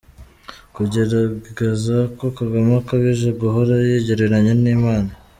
Kugaragaza ko Kagame akabije guhora yigereranya n’Imana.